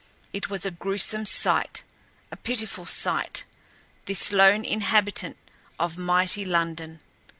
It was a gruesome sight—a pitiful sight—this lone inhabitant of mighty London.